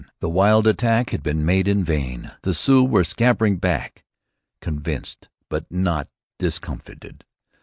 The wild attack had been made in vain. The Sioux were scampering back, convinced, but not discomfited.